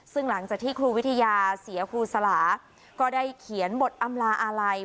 ซึ่งหลังจากที่ครูวิทยาเสียครูสลาก็ได้เขียนบทอำลาอาลัย